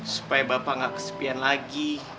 supaya bapak nggak kesepian lagi